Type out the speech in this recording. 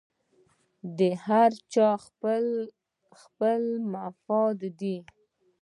د هر چا خپل خپل مفادات دي